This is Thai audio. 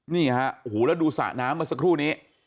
นี่ฮะโหแล้วดูสระน้ำมาสักครู่นี้